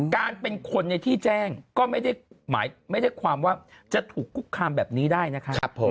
การเป็นคนในที่แจ้งก็ไม่ได้ความว่าจะถูกกุ๊บคามแบบนี้ได้นะครับ